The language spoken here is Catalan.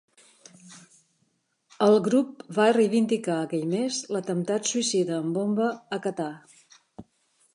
El grup va reivindicar aquell mes l'atemptat suïcida amb bomba a Qatar.